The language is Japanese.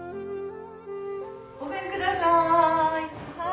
ごめんください。